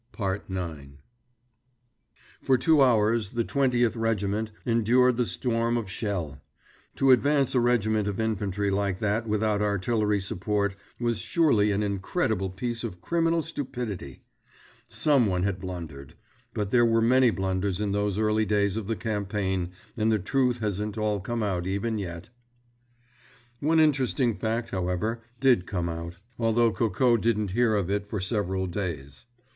IX For two hours the Twentieth Regiment endured the storm of shell. To advance a regiment of infantry like that without artillery support was surely an incredible piece of criminal stupidity. Some one had blundered. But there were many blunders in those early days of the campaign, and the truth hasn't all come out even yet. One interesting fact, however, did come out; although Coco didn't hear of it for several days.